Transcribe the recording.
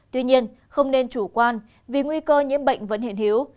tuy nhiên không nên chủ quan vì nguy cơ nhiễm bệnh vẫn hiện hiếu